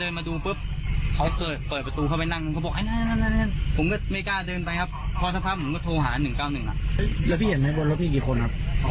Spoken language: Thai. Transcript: แล้วพี่เห็นไหมบนรถพี่กี่คนครับ